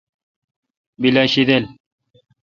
بیل اؘ شیدل۔